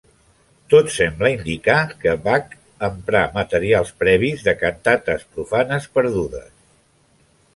Tot sembla indicar que Bach emprà materials previs de cantates profanes perdudes.